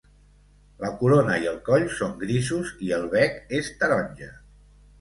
La corona i el coll són grisos, i el bec és taronja.